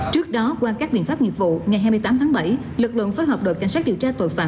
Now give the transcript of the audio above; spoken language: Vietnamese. trước đó qua các biện pháp nghiệp vụ ngày hai mươi tám tháng bảy lực lượng phối hợp đội cảnh sát điều tra tội phạm